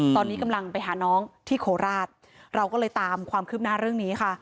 ตอนนี้กำลังไปหาน้องที่โคราชเราก็เลยตามความคืบหน้าเรื่องนี้ค่ะ